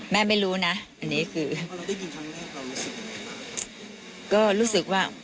แม่ไม่รู้นะอันนี้คือพอเราได้กินครั้งแรกเรารู้สึกยังไง